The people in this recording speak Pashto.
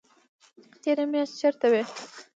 تېره میاشت چیرته وئ؟